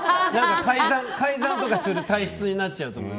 改ざんとかする体質になっちゃうと思う。